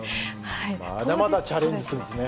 まだまだチャレンジするんですね。